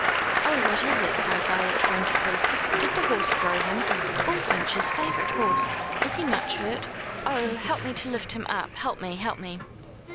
"Oh, what is it?" cried Violet frantically. "Did the horse throw him? Bullfinch, his favourite horse. Is he much hurt? Oh, help me to lift him up help me help me!"